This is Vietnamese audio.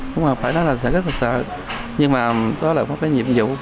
cũng phải nói là sợ rất là sợ nhưng mà đó là một cái nhiệm vụ